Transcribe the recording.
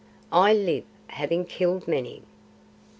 "I live, having killed many."